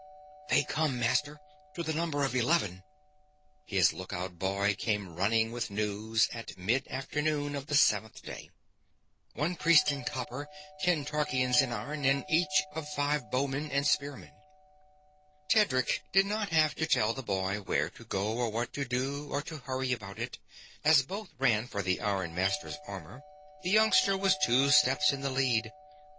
"They come, master, to the number of eleven," his lookout boy came running with news at mid afternoon of the seventh day. "One priest in copper, ten Tarkians in iron, a five each of bowmen and spearmen." Tedric did not have to tell the boy where to go or what to do or to hurry about it; as both ran for the ironmaster's armor the youngster was two steps in the lead.